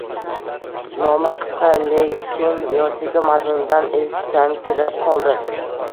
Noma qisqa, lekin Yosiko mazmunidan esankirab qoldi